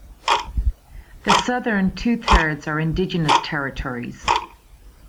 The southern two-thirds are indigenous territories.